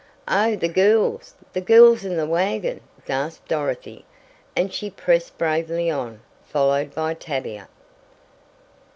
"Oh, the girls! The girls in the wagon!" gasped Dorothy, and she pressed bravely on, followed by Tavia.